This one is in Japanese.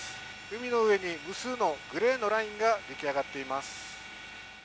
海の上に無数のグレーのラインが出来上がっています。